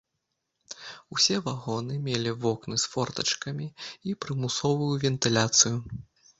Усе вагоны мелі вокны з фортачкамі і прымусовую вентыляцыю.